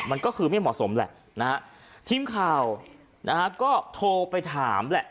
มันก็คือไม่เหมาะสมแหละนะฮะทีมข่าวนะฮะก็โทรไปถามแหละ